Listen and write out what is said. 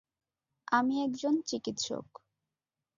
আমি একজন চিকিৎসক।